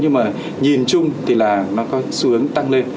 nhưng mà nhìn chung thì là nó có xuống tăng lên